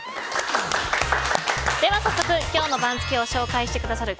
では早速今日の番付を紹介してくださる